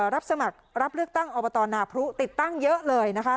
รับสมัครรับเลือกตั้งอบตนาพรุติดตั้งเยอะเลยนะคะ